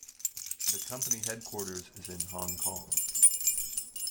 The company headquarters is in Hong Kong.